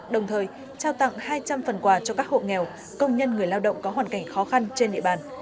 đồng thời trao tặng hai trăm linh phần quà cho các hộ nghèo công nhân người lao động có hoàn cảnh khó khăn trên địa bàn